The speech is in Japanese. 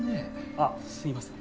あっすいません。